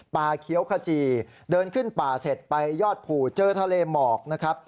เขียวขจีเดินขึ้นป่าเสร็จไปยอดภูเจอทะเลหมอกนะครับ